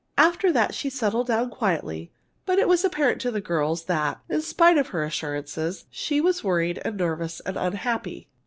After that she settled down quietly, but it was apparent to the girls that, in spite of her assurances, she was worried and nervous and unhappy.